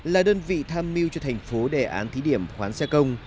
là đơn vị tham mưu cho thành phố đề án thí điểm khoán xe công